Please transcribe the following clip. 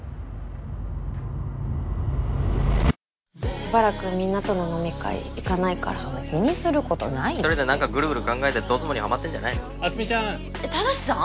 しばらくみんなとの飲み会行かないからそんな気にすることないって１人でなんかぐるぐる考えてどつぼにハマってんじゃないの・明日美ちゃん・正さん？